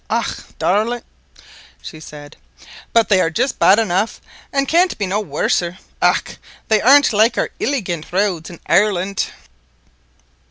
"Och, darlint," she said, "but they are just bad enough, and can't be no worser. Och, but they aren't like to our iligant roads in Ireland."